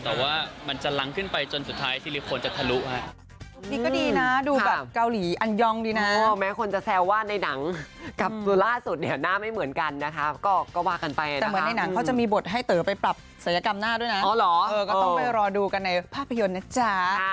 แต่ว่ามันจะลังขึ้นไปจนสุดท้ายซิลิโคนจะทะลุครับ